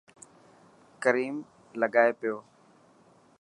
ڪريم لگائي پيو.